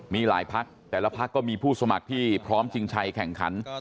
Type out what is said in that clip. มีหลายพักแต่ละพักก็มีผู้สมัครที่พร้อมชิงชัยแข่งขัน